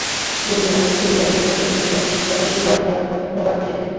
যেহেতু জিম্বাবুয়ে সিরিজে একটা সুযোগ এসেছে, চেষ্টা করছি কয়েকজন নতুন খেলোয়াড়কে দেখতে।